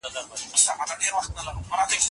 ښځه هم کولای سي، چي د نکاح لپاره وړانديز وکړي